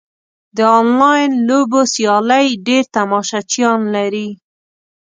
د انلاین لوبو سیالۍ ډېر تماشچیان لري.